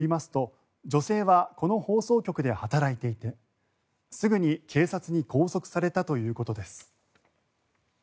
ロシアメディアによりますと女性はこの放送局で働いていてすぐに警察に拘束されたということです。